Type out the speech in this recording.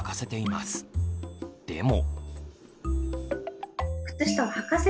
でも。